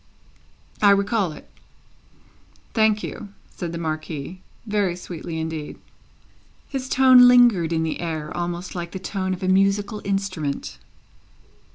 "I recall it." "Thank you," said the Marquis very sweetly indeed. His tone lingered in the air, almost like the tone of a musical instrument.